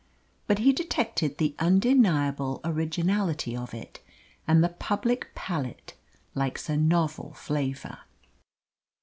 But he detected the undeniable originality of it, and the public palate likes a novel flavour.